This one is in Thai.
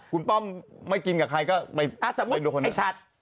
คนป้อมไม่กินกับใครก็ไม่เป็นตัวคนนี้